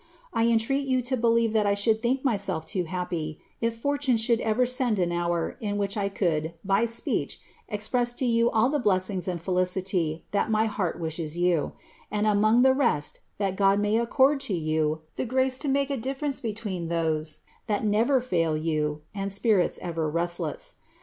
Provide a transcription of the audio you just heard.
I entreat you to believe that I should tliink myself loo happy, if Fortune should ever send an hour in which I could, by speech, ex press to you all the blessings and felicity that my heart wishes you ; and among the rest, that God may accord to you the grace to make a difference between those that never fail you, and spirits ever restless.